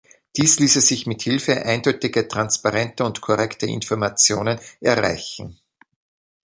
Dies ließe sich mit Hilfe eindeutiger, transparenter und korrekter Informationen erreichen.